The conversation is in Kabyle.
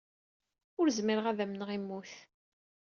Ur zmireɣ ara ad amneɣ immut!